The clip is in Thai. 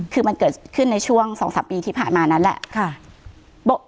คือมันเกิดขึ้นในช่วง๒๓ปีที่ผ่านมานั้นแหละ